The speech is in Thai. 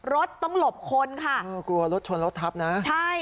รถต้องหลบคนค่ะเออกลัวรถชนรถทับนะใช่